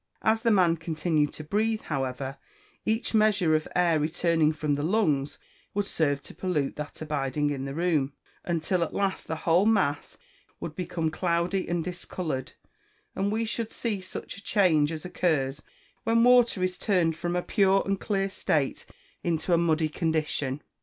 As the man continued to breathe, however, each measure of air returning from the lungs would serve to pollute that abiding in the room, until at last the whole mass would become cloudy and discoloured, and we should see such a change as occurs when water is turned from a pure and clear state into a muddy condition.